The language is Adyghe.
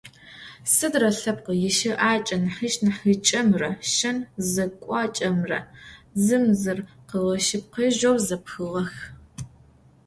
Сыдрэ лъэпкъи ищыӏакӏэ нахьыжъ-нахьыкӏэмрэ шэн-зекӏуакӏэмрэ зым зыр къыгъэшъыпкъэжьэу зэпхыгъэх.